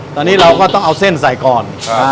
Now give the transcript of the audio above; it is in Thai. ตอนนี้เราก็ต้องเอาเส้นใส่ก่อน